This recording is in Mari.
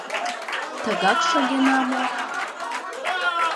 — Тыгак шогена мо?